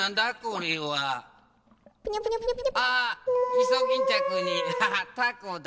イソギンチャクにタコだ。